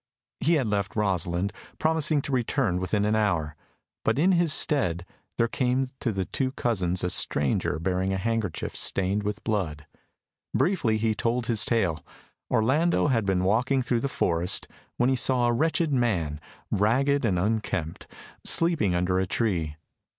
He had left Rosalind, promising to return within an hour, but in his stead there came to the two cousins a stranger bearing a handkerchief stained with blood. Briefly he told his tale. Orlando had been walking through the forest, when he saw a wretched man, ragged and unkempt, sleeping under a tree.